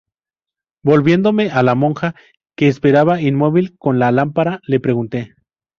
volviéndome a la monja, que esperaba inmóvil con la lámpara, le pregunté: